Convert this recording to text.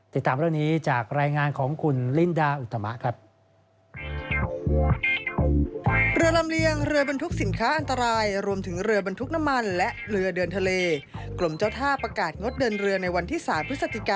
ติดตามเรื่องนี้จากรายงานของคุณลินดาอุตมะครับ